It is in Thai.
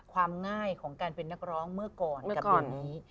ความง่ายของการเป็นนักร้องเมื่อก่อนกับปีนี้